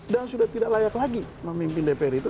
dan sudah tidak layak lagi memimpin dpr itu